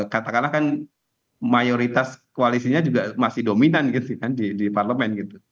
katakanlah kan mayoritas koalisinya juga masih dominan gitu kan di parlemen gitu